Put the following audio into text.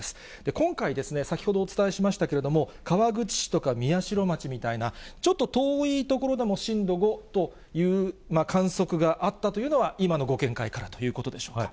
今回ですね、先ほどお伝えしましたけれども、川口市とか宮代町みたいな、ちょっと遠い所でも震度５という観測があったというのは、今のご見解からということでしょうか。